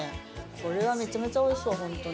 これはめちゃめちゃおいしそう本当に。